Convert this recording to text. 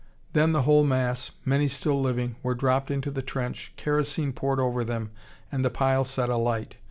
Then the whole mass, many still living, were dropped into the trench, kerosene poured over them and the pile set alight.